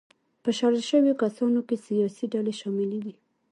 په شړل شویو کسانو کې سیاسي ډلې شاملې وې.